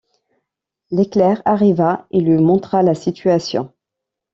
L’éclair arriva et lui montra la situation.